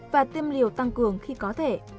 và tiêm liều tăng cường khi có thể